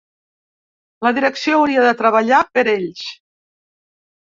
La direcció hauria de treballar per ells.